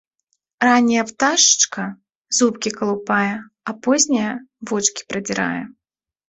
Ранняя пташачка зубкі калупае, а позняя вочкі прадзірае.